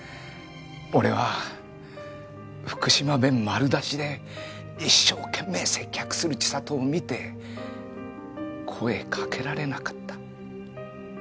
俺は福島弁丸出しで一生懸命接客する千里を見て声かけられなかった。